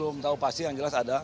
belum tahu pasti yang jelas ada